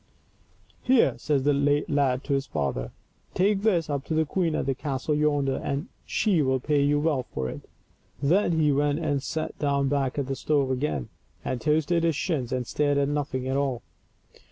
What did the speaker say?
" Here," says the lad to his father, " take this up to the queen at the castle yonder, and she will pay you well for it." Then he went and sat down back of the stove again, and toasted his shins and stared at nothing at all.